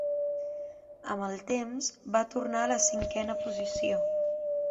Amb el temps, va tornar a la cinquena posició.